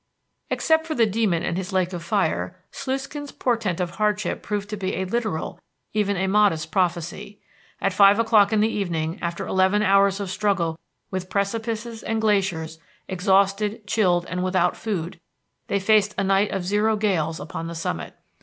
Except for the demon and his lake of fire, Sluiskin's portent of hardship proved to be a literal, even a modest, prophecy. At five o'clock in the evening, after eleven hours of struggle with precipices and glaciers, exhausted, chilled, and without food, they faced a night of zero gales upon the summit.